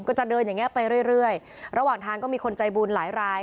ก็จะเดินอย่างเงี้ไปเรื่อยระหว่างทางก็มีคนใจบุญหลายราย